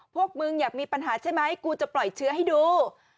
พวกมึงอยากมีปัญหาใช่ไหมกูจะปล่อยเชื้อให้ดู